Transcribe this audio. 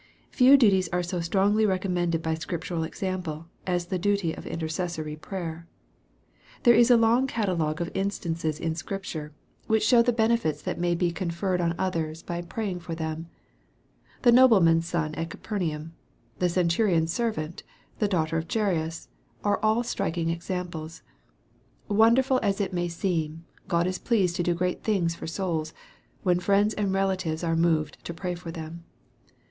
Few duties are so strongly recommended by Scriptural example, as the duty of intercessory prayer. There is a long catalogue of instances in Scripture, which show tho 7 146 EXPOSITOKY THOUGHTS. benefits that may be conferred on others by praying fol them. The nobleman's son at Capernaum the centu rion's servant the daughter of Jairus, are all striking examples. Wonderful as it may seem, God is pleased to do great things for souls, when friends and relations are moved to pray for them.